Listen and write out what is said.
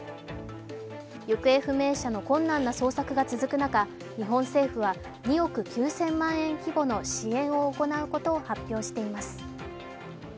行方不明者の困難な捜索が続く中、日本政府は２億９０００万円規模の支援を行うことを発表しています。